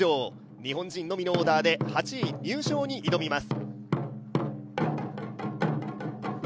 日本人のみのオーダーで８位入賞に挑みます。